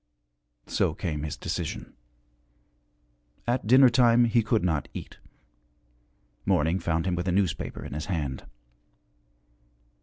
So came his decision. At dinner time he could not eat. Morning found him with a newspaper in his hand.